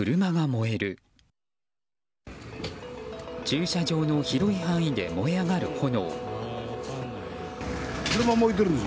駐車場の広い範囲で燃え上がる炎。